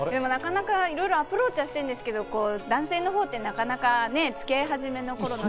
いろいろアプローチはしてるんですけど、男性のほうってなかなかつき合い始めの頃とは。